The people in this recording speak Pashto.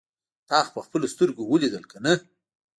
تا خو په خپلو سترګو اوليدل کنه.